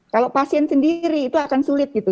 kalau pasien sendiri itu akan sulit gitu